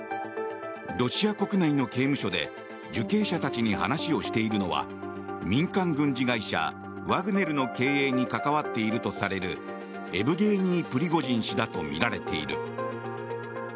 ロシア国内の刑務所で受刑者たちに話をしているのは民間軍事会社ワグネルの経営に関わっているとされるエブゲーニー・プリゴジン氏だとみられている。